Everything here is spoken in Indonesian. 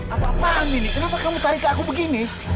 apa apaan ini kenapa kamu tarik ke aku begini